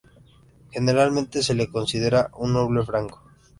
Generalmente se le considera un noble franco.